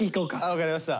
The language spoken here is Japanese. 分かりました。